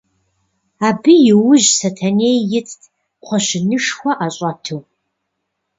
Абы иужь Сэтэней итт, кхъуэщынышхуэ ӏэщӏэту.